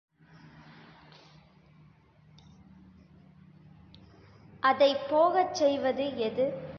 அதைப் போகச் செய்வது எது?